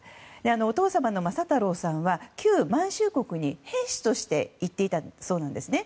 お父様の昌太郎さんは旧満州国に兵士として行っていたそうなんですね。